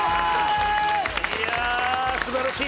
いやあ素晴らしい！